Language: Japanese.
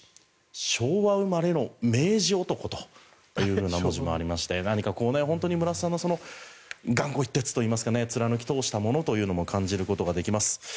昭和生まれの明治男という文字もありまして何か村田さんの頑固一徹といいますか貫き通したものも感じることができます。